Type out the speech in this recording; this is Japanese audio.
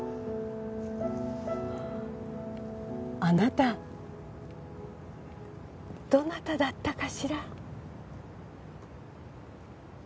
あなたどなただったかしら？